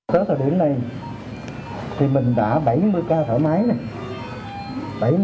tới thời điểm này thì mình đã bảy mươi ca thở máy này